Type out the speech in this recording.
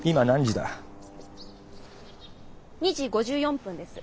２時５４分です。